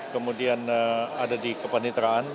kemudian ada di kepaniteraan